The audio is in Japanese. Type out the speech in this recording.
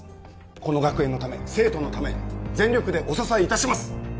この学園のため生徒のため全力でお支えいたします！